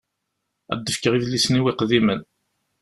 Ad d-fkeɣ idlisen-iw iqdimen.